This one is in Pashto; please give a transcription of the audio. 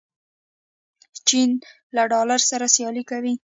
چین له ډالر سره سیالي کوي.